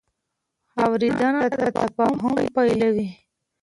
اورېدنه د تفاهم پیلوي.